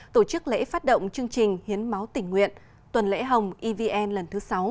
tổ chức lễ phát động chương trình hiến máu tỉnh nguyện tuần lễ hồng evn lần thứ sáu